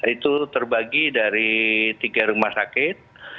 itu terbagi dari tiga rumah sakit